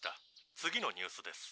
次のニュースです。